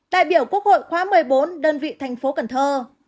đại biểu quốc hội khóa một mươi bốn đơn vị thành phố cần thơ